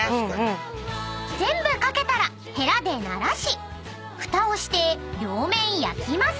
［全部掛けたらヘラでならしふたをして両面焼きます］